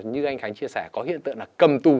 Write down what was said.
như anh khánh chia sẻ có hiện tượng là cầm tù